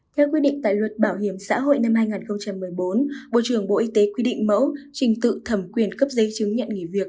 theo quy định tại luật bảo hiểm xã hội năm hai nghìn một mươi bốn bộ trưởng bộ y tế quy định mẫu trình tự thẩm quyền cấp giấy chứng nhận nghỉ việc